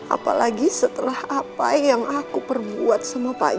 apalagi setelah apa yang aku perbuat sama pak